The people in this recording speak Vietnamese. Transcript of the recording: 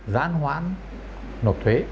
giãn hoãn nộp thuế